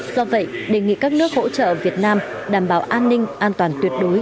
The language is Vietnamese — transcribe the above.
do vậy đề nghị các nước hỗ trợ việt nam đảm bảo an ninh an toàn tuyệt đối